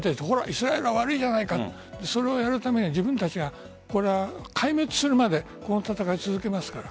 イスラエルが悪いじゃないかそれをやるために、自分たちが壊滅するまで戦い続けますから。